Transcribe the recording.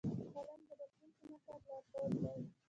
قلم د راتلونکي نسل لارښود دی